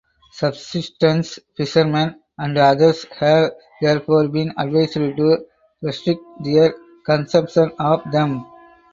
Subsistence fishermen and others have therefore been advised to restrict their consumption of them.